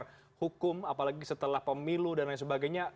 bagaimana cara mengawal hukum apalagi setelah pemilu dan lain sebagainya